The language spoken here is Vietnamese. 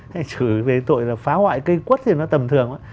hay xử về tội là phá hoại cây quất thì nó tầm thường quá